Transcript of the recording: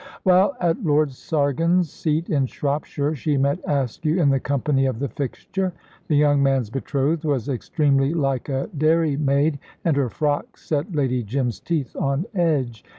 While at Lord Sargon's seat in Shropshire, she met Askew in the company of the fixture. The young man's betrothed was extremely like a dairy maid, and her frocks set Lady Jim's teeth on edge.